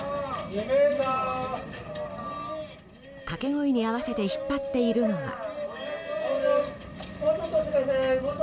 掛け声に合わせて引っ張っているのは。